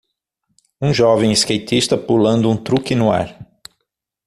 um jovem skatista pulando um truque no ar.